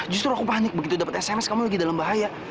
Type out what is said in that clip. justru aku panik begitu dapet sms kamu lagi dalam bahaya